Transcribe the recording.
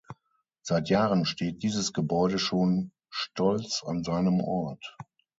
Seit Jahren steht dieses Gebäude schon stolz an seinem Ort.